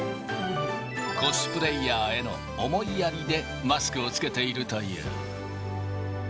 コスプレイヤーへの思いやりで、マスクを着けているという。